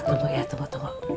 tunggu ya tunggu